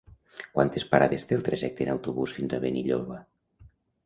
Quantes parades té el trajecte en autobús fins a Benilloba?